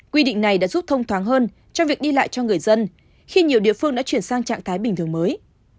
quy định này đã giúp thông thoáng hơn cho việc đi lại cho người dân khi nhiều địa phương đã chuyển sang trạng thái bình thường mới